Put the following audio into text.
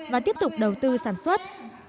và tiếp tục đầu tư sản xuất